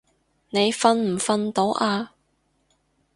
你瞓唔瞓到啊？